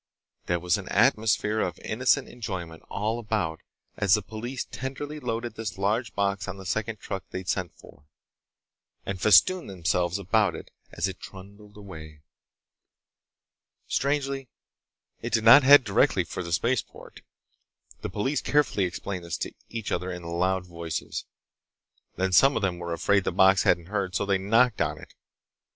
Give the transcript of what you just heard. There was an atmosphere of innocent enjoyment all about as the police tenderly loaded this large box on the second truck they'd sent for, and festooned themselves about it as it trundled away. Strangely, it did not head directly for the spaceport. The police carefully explained this to each other in loud voices. Then some of them were afraid the box hadn't heard, so they knocked on it.